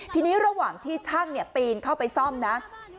ทีนี้ระหว่างที่ช่างปีนเข้าไปซ่อมนะ